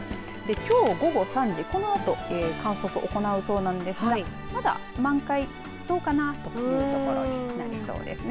きょう午後３時このあと観測を行うそうなんですがまだ満開どうかなというところになりそうですね。